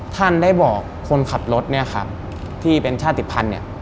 ท่านได้บอกคนขับรถเนี่ยครับที่เป็นชาติภัณฑ์เนี่ย